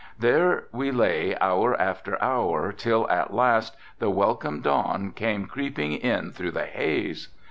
There we lay hour after hour till at last the welcome dawn came creeping in through the haze.